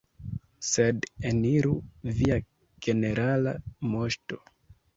Sed, eniru, Via Generala Moŝto!